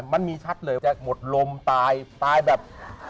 มันมีชัดเลยนะคะจะหมดลมตายแบบ